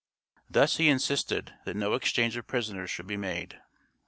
Thus he insisted that no exchange of prisoners should be made.